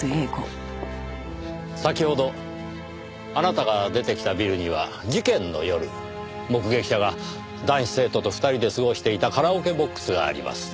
先ほどあなたが出てきたビルには事件の夜目撃者が男子生徒と２人で過ごしていたカラオケボックスがあります。